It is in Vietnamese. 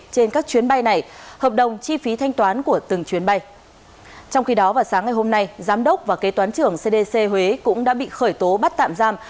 trong khi đó vào sáng ngày hôm nay giám đốc và kế toán trưởng cdc huế cũng đã bị khởi tố bắt tạm giam